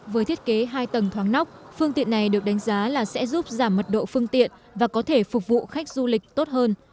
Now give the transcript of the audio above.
với thiết kế hai tầng thoáng nóc phương tiện này được đánh giá là sẽ giúp giảm mật độ phương tiện và có thể phục vụ khách du lịch tốt hơn